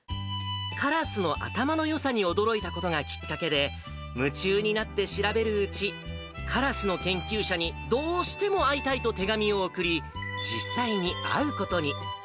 カラスの頭のよさに驚いたことがきっかけで、夢中になって調べるうち、カラスの研究者にどうしても会いたいと手紙を送り、実際に会うことに。